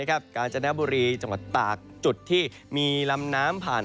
กาญจนบุรีจังหวัดตากจุดที่มีลำน้ำผ่าน